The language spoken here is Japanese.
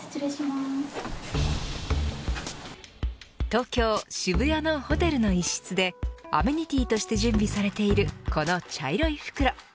東京、渋谷のホテルの一室でアメニティとして準備されているこの茶色い袋。